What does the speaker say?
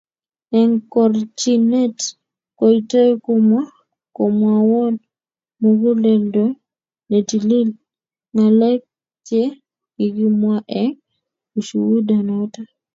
Eng chokchinet kitoi komwawon muguleldo netilil ngalek chegigimwaa eng ushuhuda noto---